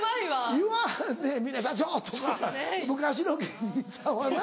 言わはんねん皆「社長」とか昔の芸人さんはな。